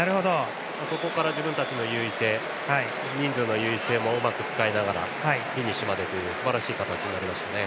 そこから自分たちの優位性人数の優位性もうまく使いながらフィニッシュまでというすばらしい形になりました。